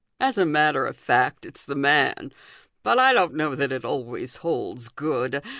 " As a matter of fact it's the man ; but I don't know that it always holds good.